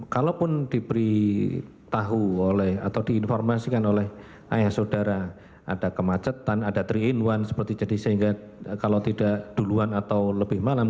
kalaupun diberi tahu oleh atau diinformasikan oleh ayah saudara ada kemacetan ada tiga in satu seperti jadi sehingga kalau tidak duluan atau lebih malam